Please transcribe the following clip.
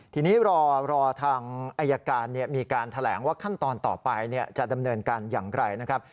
ทีนี้รอทางอายการมีการแถลงว่าขั้นตอนต่อไปจะดำเนินการอย่างไรนะครับ